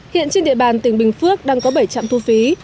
hiện trên địa bàn tỉnh bình phước đang có bảy trạm thu phí